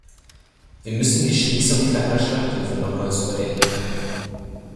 Wir müssen die Schließung kleiner Schlachthöfe nochmals überdenken.